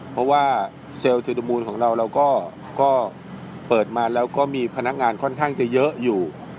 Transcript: เพราะว่าเซลล์เทนมูลของเราเราก็เปิดมาแล้วก็มีพนักงานค่อนข้างจะเยอะอยู่